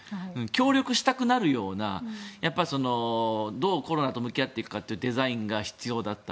協力したくなるようなどうコロナと向き合っていくかというデザインが必要だった。